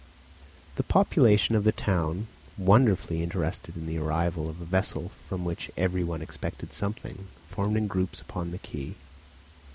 The population of the town, wonderfully interested in the arrival of a vessel from which every one expected something, formed in groups upon the quay.